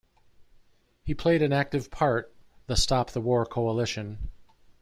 He played an active part the Stop the War Coalition.